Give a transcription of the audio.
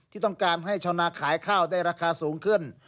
ที่ต้องการให้ชาวนาขายข้าวได้ราคาสูงขึ้น